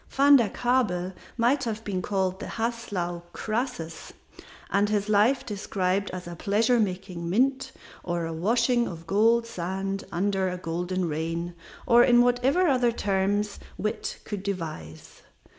Van der Kabel might have been called the Haslau Croesus and his life described as a pleasure making mint, or a washing of gold sand under a golden rain, or in whatever other terms wit could devise.